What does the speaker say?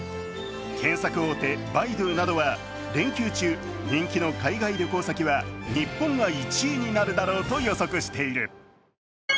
検索大手バイドゥなどは連休中、人気の海外旅行先は日本が１位になるだろうと予測している。